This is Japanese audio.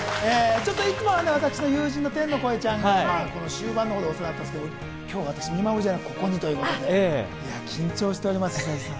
ちょっといつもは私の友人の天の声ちゃんが終盤のほうでお世話になってますけど、今日は見守りではなく緊張しております。